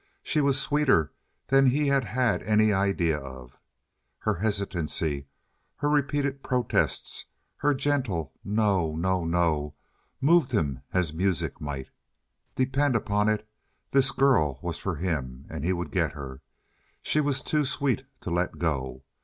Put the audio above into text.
She was sweeter than he had had any idea of. Her hesitancy, her repeated protests, her gentle "no, no, no" moved him as music might. Depend upon it, this girl was for him, and he would get her. She was too sweet to let go.